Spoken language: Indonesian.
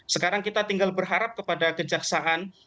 sekarang kita tinggal berharap kepada kejaksaan